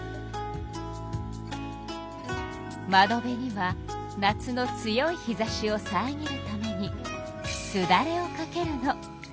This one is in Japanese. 窓辺には夏の強い日ざしをさえぎるためにすだれをかけるの。